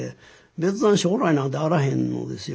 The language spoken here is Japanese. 別段将来なんてあらへんのですよ。